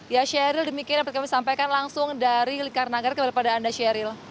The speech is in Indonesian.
ya sheryl demikian yang kami sampaikan langsung dari lingkaran nagrek daripada anda sheryl